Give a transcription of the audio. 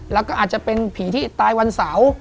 แล้วก็อาจจะเป็นผีที่ตายวันเสาร์